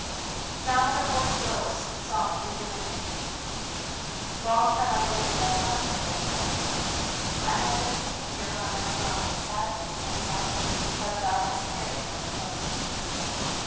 Now her voice rose soft and bewitching: "Long have I waited thy coming, fair stranger. I have been sitting here on my throne in sadness and silence, because thou hast tarried on the road.